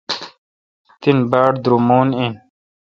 تن باڑ درومون این۔